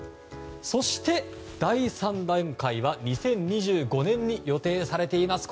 そして第３段階は２０２５年に予定されています。